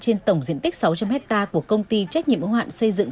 trên tổng diện tích sáu trăm linh hectare của công ty trách nhiệm ứng hoạn xây dựng